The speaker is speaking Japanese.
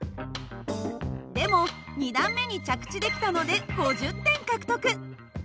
でも２段目に着地できたので５０点獲得。